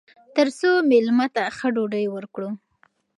تر څو میلمه ته ښه ډوډۍ ورکړو.